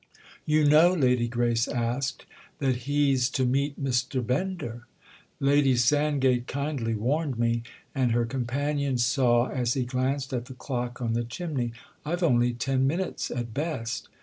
"You know," Lady Grace asked, "that he's to meet Mr. Bender?" "Lady Sandgate kindly warned me, and," her companion saw as he glanced at the clock on the chimney, "I've only ten minutes, at best.